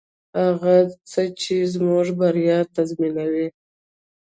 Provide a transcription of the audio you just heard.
هغه څه چې زموږ بریا تضمینوي.